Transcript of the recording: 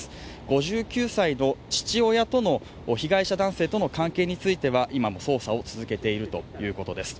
５９歳の父親との被害者男性との関係については今も捜査を続けているということです。